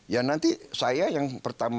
ya nanti saya yang pertama